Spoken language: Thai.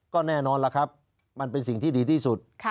ก็แน่นอนล่ะครับมันเป็นสิ่งที่ดีที่สุด